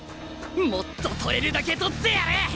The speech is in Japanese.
もっと取れるだけ取ってやる！